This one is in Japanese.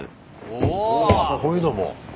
おおこういうのも。